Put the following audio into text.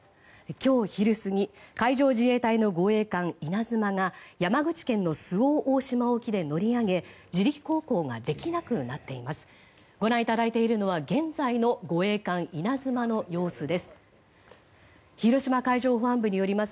今日昼過ぎ、海上自衛隊の護衛艦「いなづま」が山口県の周防大島沖で乗り上げ自力航行ができなくなっています。